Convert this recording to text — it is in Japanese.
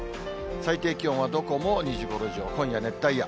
最低気温はどこも２５度以上、今夜、熱帯夜。